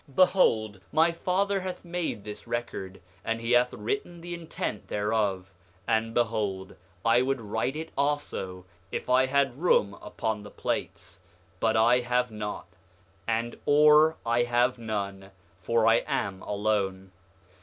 8:5 Behold, my father hath made this record, and he hath written the intent thereof. And behold, I would write it also if I had room upon the plates, but I have not; and ore I have none, for I am alone.